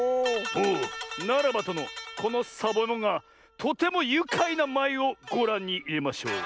おおならばとのこのサボえもんがとてもゆかいなまいをごらんにいれましょう。